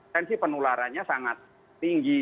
kan sih penularannya sangat tinggi